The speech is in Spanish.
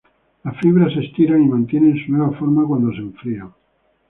Las fibras se estiran y mantienen su nueva forma cuando se enfrían.